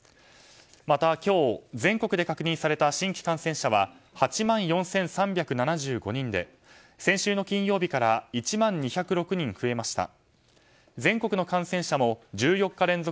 また今日、全国で確認された新規感染者は８万４３７５人で先週の金曜日から１万２０６人増えました。